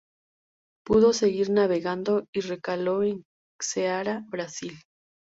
Pudo seguir navegando y recaló en Ceará, Brasil.